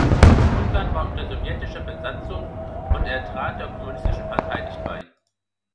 Ungarn war unter sowjetischer Besatzung und er trat der Kommunistischen Partei nicht bei.